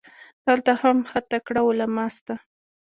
دلته هم ښه تکړه علما سته.